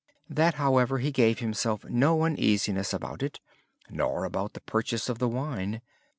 Yet he gave himself no uneasiness about it, nor about the purchase of the wine.